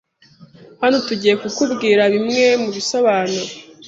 Hano tugiye kukubwira bimwe mu bisobanuro